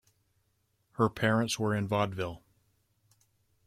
Her parents were in Vaudeville.